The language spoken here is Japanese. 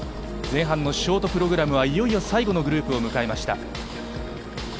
前半のショートプログラムは、いよいよ最後のグループを迎えました。